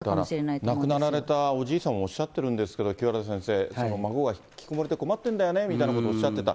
だから亡くなられたおじいさんがおっしゃっているんですけど、清原先生、孫が引きこもりで困ってるんだよねみたいなことをおっしゃっていた。